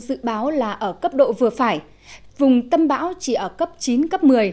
dự báo là ở cấp độ vừa phải vùng tâm bão chỉ ở cấp chín cấp một mươi